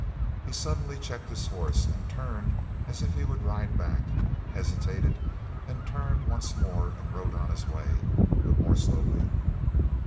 He suddenly checked his horse, and then turned as if he would ride back, hesitated, then turned once more, and rode on his way, but more slowly.